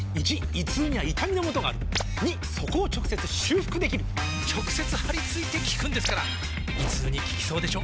①胃痛には痛みのもとがある②そこを直接修復できる直接貼り付いて効くんですから胃痛に効きそうでしょ？